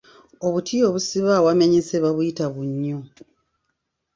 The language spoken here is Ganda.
Obuti obusibwa awamenyese buyitibwa Bunnyo.